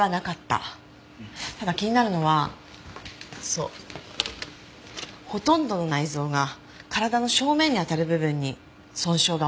ただ気になるのはそうほとんどの内臓が体の正面にあたる部分に損傷が多かった。